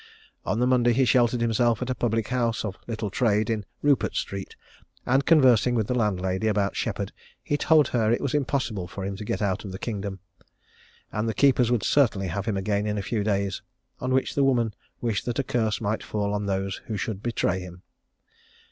On the Monday he sheltered himself at a public house of little trade in Rupert street, and conversing with the landlady about Sheppard, he told her it was impossible for him to get out of the kingdom, and the keepers would certainly have him again in a few days; on which the woman wished that a curse might fall on those who should betray him.